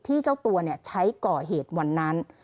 เจ้าตัวใช้ก่อเหตุวันนั้น